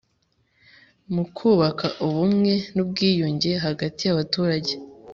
mu kubaka ubumwe n'ubwiyunge hagati y'abaturage